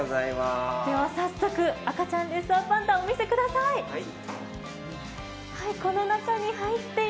では早速赤ちゃんレッサーパンダをお見せください。